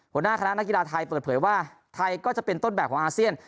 หัวหน้าคณะนักกีฬาไทยเปิดเผยว่าไทยก็จะเป็นต้นแบบของอาเซียน